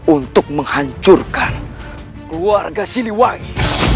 untuk menghancurkan keluarga siliwangi